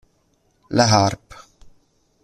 La Harpe